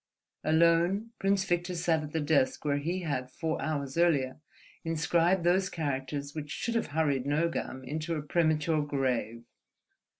Alone, Prince Victor sat at the desk where he had, four hours earlier, inscribed those characters which should have hurried Nogam into a premature grave.